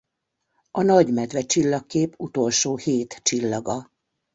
A Nagy Medve csillagkép utolsó hét csillaga.